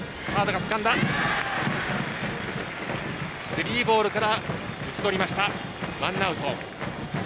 スリーボールから打ち取りましたワンアウト。